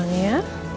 ya simpen ya